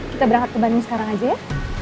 kita berangkat ke bandung sekarang aja ya